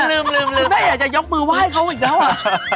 ลืมลืมแม่อยากจะยกมือไหว้เขาอีกแล้วอ่ะ